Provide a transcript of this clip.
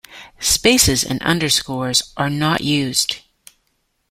Spaces and underscores are not used.